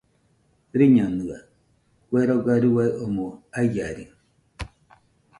Rɨñonɨaɨ, kue roga rua omoɨ aiaɨri.